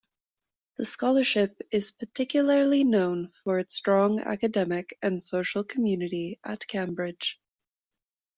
The scholarship is particularly known for its strong academic and social community at Cambridge.